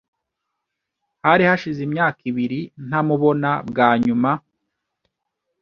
Hari hashize imyaka ibiri ntamubona bwa nyuma.